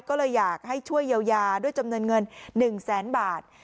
ก็เลยอยากให้ช่วยเยียวยาด้วยจำนวนเงิน๑แสนบาท